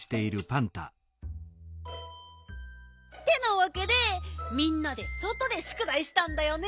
ってなわけでみんなでそとでしゅくだいしたんだよね。